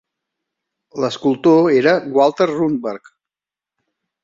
L'escultor era Walter Runeberg.